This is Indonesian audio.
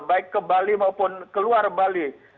baik ke bali maupun ke luar bali